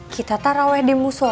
kita terawet di musola yuk